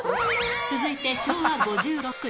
続いて昭和５６年。